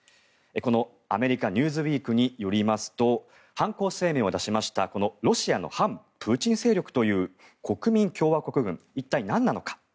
アメリカ「ニューズウィーク」によりますと犯行声明を出しましたロシアの反プーチン勢力という国民共和国軍、一体何なのか。